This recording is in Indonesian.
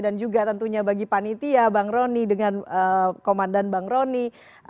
dan juga tentunya bagi panitia bang rony dengan komandan bang rony